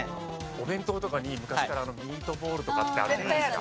お弁当とかに昔からミートボールとかってあるじゃないですか。